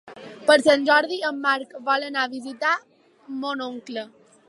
Per Sant Jordi en Marc vol anar a visitar mon oncle.